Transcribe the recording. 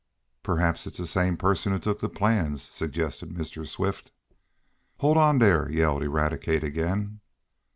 "Perhaps it's the same person who took the plans!" suggested Mr. Swift. "Hold on, dere!" yelled Eradicate again.